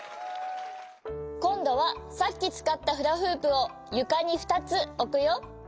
こんどはさっきつかったフラフープをゆかにふたつおくよ。